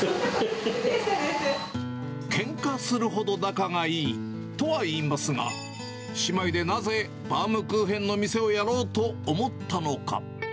けんかするほど仲がいいとはいいますが、姉妹でなぜ、バウムクーヘンの店をやろうと思ったのか。